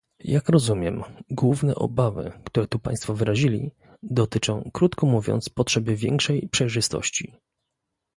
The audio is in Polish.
Jak rozumiem, główne obawy, które tu państwo wyrazili, dotyczą krótko mówiąc potrzeby większej przejrzystości